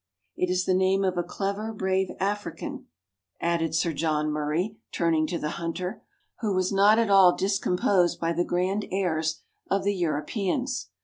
" It is the name of a clever, brave African," added Sir 24 meridiana; the adventures of John Murray, turning to the hunter, who was not at all discomposed by the grand airs of the Europeans.